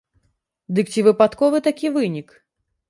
Дык ці выпадковы такі вынік?